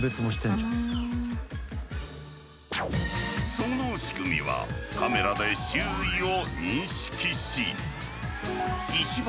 その仕組みはカメラで周囲を認識し一番